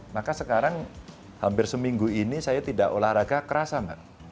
maka sekarang hampir seminggu ini saya tidak olahraga kerasa mbak